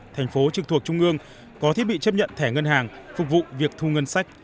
thành phố trực thuộc trung ương có thiết bị chấp nhận thẻ ngân hàng phục vụ việc thu ngân sách